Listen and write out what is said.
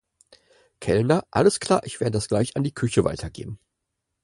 Kellner: Alles klar, ich werde das gleich an die Küche weitergeben.